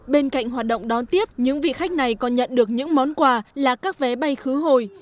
bên cạnh hoạt động đón tiếp những vị khách này còn nhận được những món quà là các vé bay khứ hồi